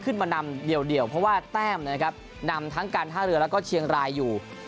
ขึ้นมานำเดียวเพราะว่าแต้มนะครับนำทั้งการท่าเรือแล้วก็เชียงรายอยู่